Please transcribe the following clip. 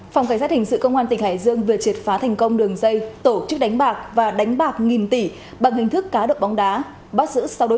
phòng cảnh sát hình sự công an tỉnh hải dương vừa triệt phá thành công đường dây tổ chức chỉ đạo đàn em hành hung người nhà của đào chi lê nhằm mục đích giăn mặt đào